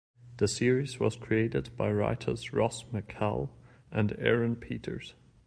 The series was created by writers Ross McCall and Aaron Peters.